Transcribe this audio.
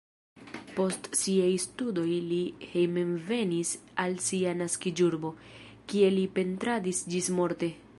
Post siaj studoj li hejmenvenis al sia naskiĝurbo, kie li pentradis ĝismorte.